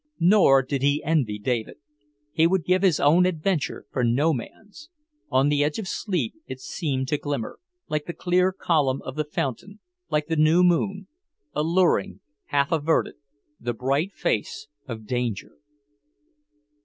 Nor did he envy David. He would give his own adventure for no man's. On the edge of sleep it seemed to glimmer, like the clear column of the fountain, like the new moon, alluring, half averted, the bright face of danger.